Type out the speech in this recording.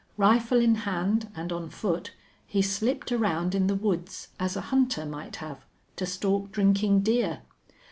Rifle in hand, and on foot, he slipped around in the woods, as a hunter might have, to stalk drinking deer.